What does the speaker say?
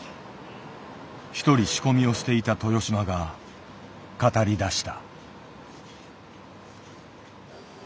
一人仕込みをしていた豊島が語りだした。